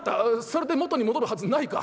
それでもとに戻るはずないか。